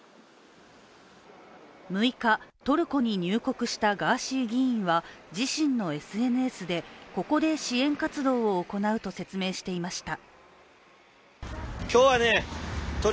６日、トルコに入国したガーシー議員は自身のＳＮＳで、ここで支援活動を行うと説明していました。